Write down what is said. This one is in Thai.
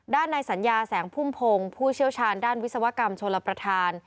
ในสัญญาแสงพุ่มพงศ์ผู้เชี่ยวชาญด้านวิศวกรรมชลประธาน